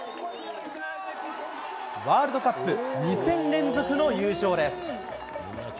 ワールドカップ２戦連続の優勝です。